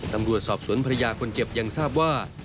ตำรวจสอบสวนภรรยาคนเจ็บยังทราบว่า